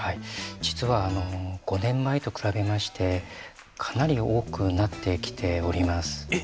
実は５年前と比べましてかなり多くなってきております。えっ？